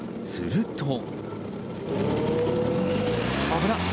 すると。